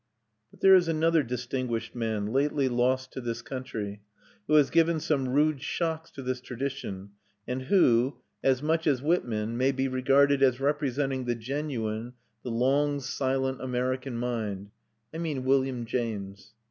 But there is another distinguished man, lately lost to this country, who has given some rude shocks to this tradition and who, as much as Whitman, may be regarded as representing the genuine, the long silent American mind I mean William James.